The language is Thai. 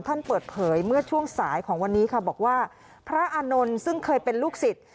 ท่านเปิดเผยเมื่อช่วงสายของวันนี้ค่ะบอกว่าพระอานนท์ซึ่งเคยเป็นลูกศิษย์